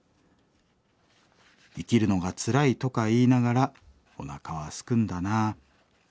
生きるのがつらいとか言いながらおなかはすくんだなあ。